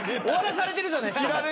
終わらされてるじゃないですか。